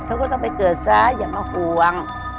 เขาก็ต้องไปเกิดซะอย่ามาห่วง